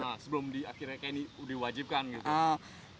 nah sebelum akhirnya kayak ini udah wajib kan gitu